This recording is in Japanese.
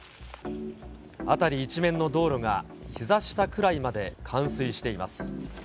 辺り一面の道路がひざ下くらいまで冠水しています。